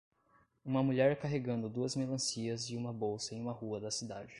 Uma mulher carregando duas melancias e uma bolsa em uma rua da cidade.